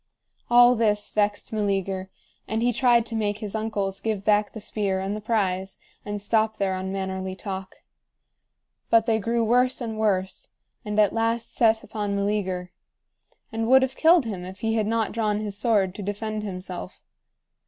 All this vexed Meleager, and he tried to make his uncles give back the spear and the prize, and stop their unmannerly talk. But they grew worse and worse, and at last set upon Meleager, and would have killed him if he had not drawn his sword to defend himself.